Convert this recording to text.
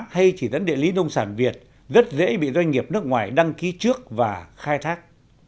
hay chỉ dẫn địa lý nông sản việt rất dễ bị doanh nghiệp nước ngoài đăng ký trước và khai thác